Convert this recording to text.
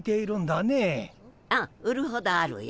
ああ売るほどあるよ。